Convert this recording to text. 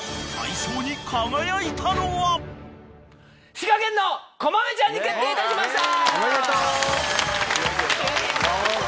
滋賀県のこまめちゃんに決定いたしました！